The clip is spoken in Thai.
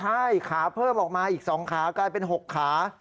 ใช่ขาเพิ่มออกมาอีก๒ขากลายเป็น๖ขา